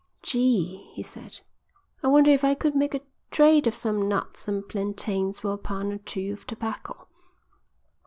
"'Gee,' he said, 'I wonder if I could make a trade of some nuts and plantains for a pound or two of tobacco.'"